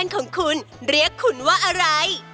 ก็เรียกว่า